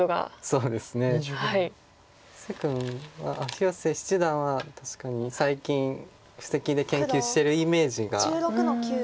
広瀬七段は確かに最近布石で研究してるイメージがあるので。